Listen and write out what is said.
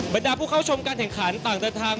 บรรดาผู้เข้าชมการแข่งขันต่างเดินทาง